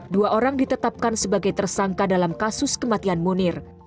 dua orang ditetapkan sebagai tersangka dalam kasus kematian munir